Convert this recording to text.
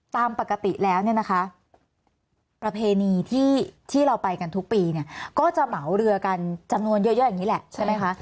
ตามปกติแล้วเนี่ยนะคะประเพณีที่เราไปกันทุกปีเนี่ยก็จะเหมาเรือกันจำนวนเยอะอย่างนี้แหละใช่ไหมคะ